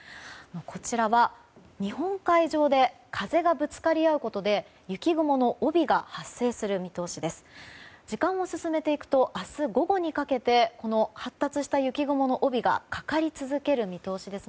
こちらは、日本海上で風がぶつかり合うことで雪雲の帯が発生する見通しです。